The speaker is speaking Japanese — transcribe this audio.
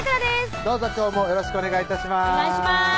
どうぞ今日もよろしくお願い致します